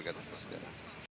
enggak itu haknya presiden